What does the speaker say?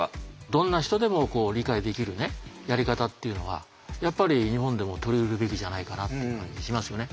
どんな人でも理解できるねやり方っていうのはやっぱり日本でも取り入れるべきじゃないかなっていう感じしますよね。